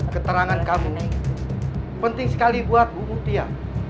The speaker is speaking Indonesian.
keterangan kami penting sekali buat bu mutia